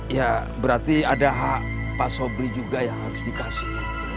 ya berarti ada hak pak sobri juga yang harus dikasih